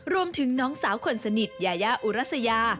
รวมถึงน้องสาวคนสนิทยายาอุรัสยา